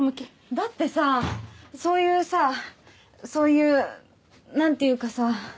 だってさそういうさそういうなんていうかさ